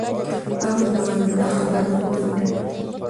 تا هم زما د زړه خبره وانه اورېده.